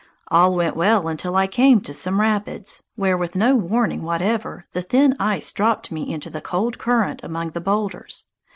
All went well until I came to some rapids, where, with no warning whatever, the thin ice dropped me into the cold current among the boulders.